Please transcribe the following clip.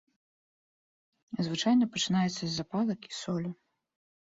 Звычайна пачынаецца з запалак і солі.